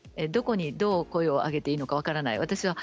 どこにどう声を上げればいいのか分からない。